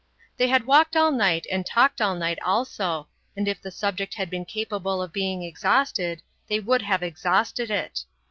They had walked all night and talked all night also, and if the subject had been capable of being exhausted they would have exhausted it.